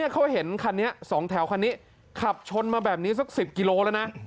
เขาเห็นคันนี้๒แถวคันนี้ขับชนมาแบบนี้สัก๑๐กิโลแล้วนะ